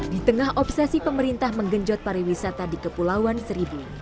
di tengah obsesi pemerintah menggenjot pariwisata di kepulauan seribu